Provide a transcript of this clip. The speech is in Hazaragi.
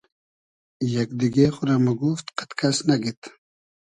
یئگ دیگې خورۂ موگوفت قئد کئس نئگید